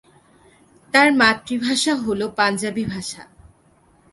তার মাতৃভাষা হলো পাঞ্জাবি ভাষা।